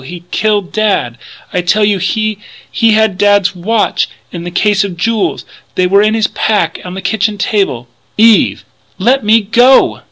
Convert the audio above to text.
he's killed Dad, I tell you! He had Dad's watch and the case of jewels they were in his pack on the kitchen table " "Eve!" "Let me go!